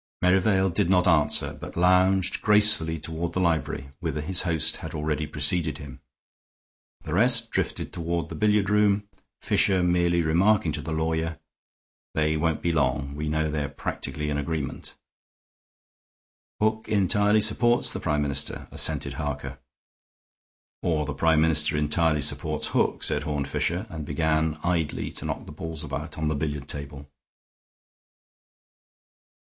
Merivale did not answer, but lounged gracefully toward the library, whither his host had already preceded him. The rest drifted toward the billiard room, Fisher merely remarking to the lawyer: "They won't be long. We know they're practically in agreement." "Hook entirely supports the Prime Minister," assented Harker. "Or the Prime Minister entirely supports Hook," said Horne Fisher, and began idly to knock the balls about on the billiard table.